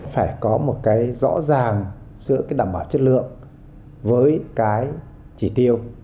phải có một cái rõ ràng giữa cái đảm bảo chất lượng với cái chỉ tiêu